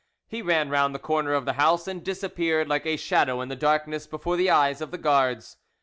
He ran round the corner of the house, and disappeared like a shadow in the darkness before the eyes of the guards.